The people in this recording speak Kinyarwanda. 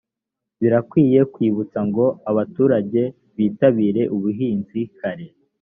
birakwiye kwibutsa ngo abaturage bitabire ubuhinzi kare